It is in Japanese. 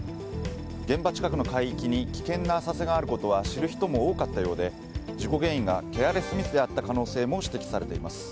現場近くの海域に危険な浅瀬があることは知る人も多かったようで事故原因がケアレスミスだった可能性も指摘されています。